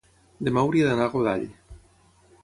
demà hauria d'anar a Godall.